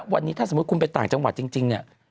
วันนี้ถ้าสมมุติคุณไปต่างจังหวัดจริงเนี่ย